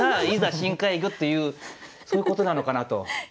「深海魚」というそういうことなのかなと。